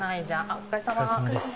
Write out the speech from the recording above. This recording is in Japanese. お疲れさまです。